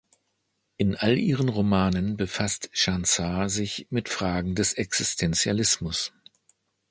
In all ihren Romanen befasst Shan Sa sich mit Fragen des Existentialismus.